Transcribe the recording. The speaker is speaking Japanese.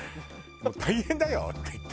「大変だよ！」って言って。